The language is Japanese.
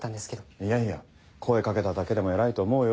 いやいや声掛けただけでも偉いと思うよ。